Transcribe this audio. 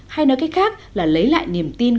hay nói cách khác là lấy lại niềm tin